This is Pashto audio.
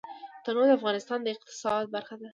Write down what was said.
تنوع د افغانستان د اقتصاد برخه ده.